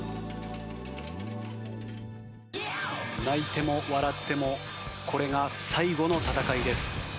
泣いても笑ってもこれが最後の戦いです。